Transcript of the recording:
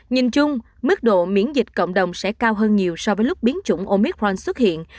nhìn chung mức độ miễn dịch cộng đồng sẽ cao hơn nhiều so với lúc biến chủng omic ron xuất hiện